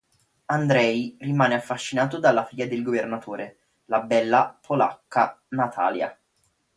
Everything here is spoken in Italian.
Andrei rimane affascinato dalla figlia del governatore, la bella polacca Natalia.